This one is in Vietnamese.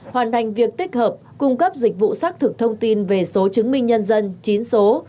hoàn thành việc tích hợp cung cấp dịch vụ xác thực thông tin về số chứng minh nhân dân chín số